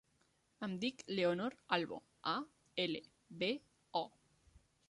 Em dic Leonor Albo: a, ela, be, o.